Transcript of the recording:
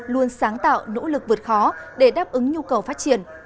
luôn sáng tạo nỗ lực vượt khó để đáp ứng nhu cầu phát triển